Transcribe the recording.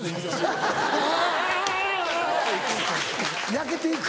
焼けていく。